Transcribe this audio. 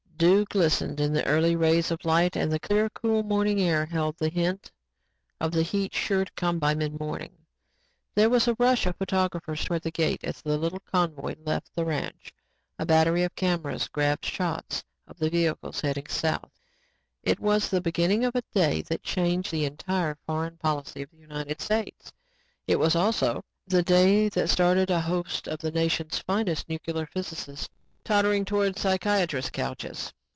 Dew glistened in the early rays of light and the clear, cool morning air held little hint of the heat sure to come by midmorning. There was a rush of photographers towards the gate as the little convoy left the ranch. A battery of cameras grabbed shots of the vehicles heading south. It was the beginning of a day that changed the entire foreign policy of the United States. It was also the day that started a host of the nation's finest nuclear physicists tottering towards psychiatrists' couches.